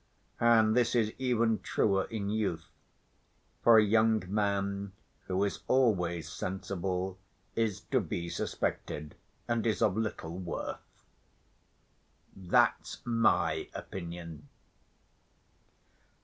And this is even truer in youth, for a young man who is always sensible is to be suspected and is of little worth—that's my opinion!